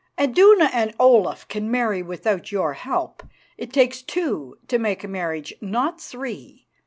"Iduna and Olaf can marry without your help. It takes two to make a marriage, not three.